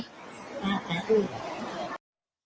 อ่าอืม